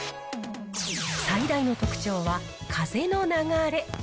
最大の特徴は、風の流れ。